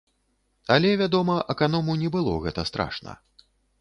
Але, вядома, аканому не было гэта страшна.